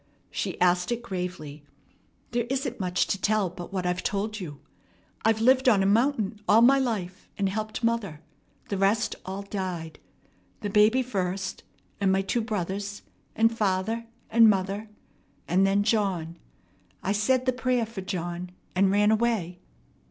She asked it gravely. "There isn't much to tell but what I've told you. I've lived on a mountain all my life, and helped mother. The rest all died. The baby first, and my two brothers, and father, and mother, and then John. I said the prayer for John, and ran away."